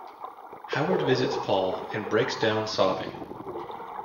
Howard visits Paul and breaks down sobbing.